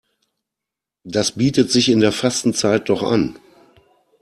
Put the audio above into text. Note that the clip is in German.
Das bietet sich in der Fastenzeit doch an.